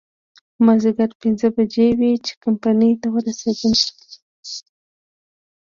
مازديګر پينځه بجې وې چې کمپنۍ ته ورسېدو.